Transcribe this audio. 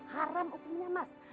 haram upunya mas